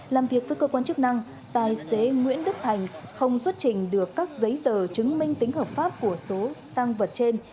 làm việc với cơ quan chức năng tài xế nguyễn đức thành không xuất trình được các giấy tờ chứng minh tính hợp pháp của số tăng vật trên